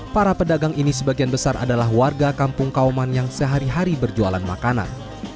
para pedagang ini sebagian besar adalah warga kampung kauman yang sehari hari berjualan makanan